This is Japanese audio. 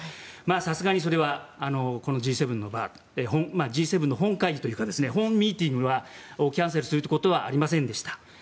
さすがにそれはこのＧ７の場Ｇ７の本会議というか本ミーティングをキャンセルするということはありませんでした。